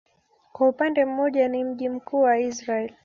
Kwa upande mmoja ni mji mkuu wa Israel.